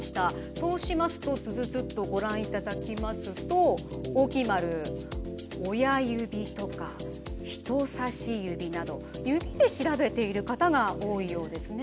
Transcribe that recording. そうしますとズズズッとご覧いただきますと大きい丸「親指」とか「人差し指」など「指」で調べている方が多いようですね。